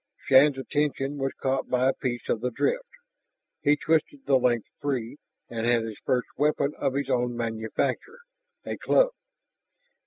Shann's attention was caught by a piece of the drift. He twisted the length free and had his first weapon of his own manufacture, a club.